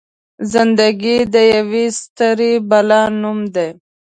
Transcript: زنده ګي د يوې ستړې بلا نوم دی.